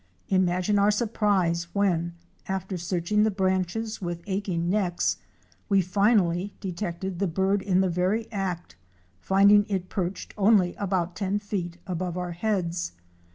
Imagine our surprise when, after searching the branches with aching necks, we finally detected the bird in the very act, finding it perched only about ten feet above our heads.